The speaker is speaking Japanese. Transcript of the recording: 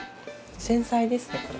繊細ですねこれ。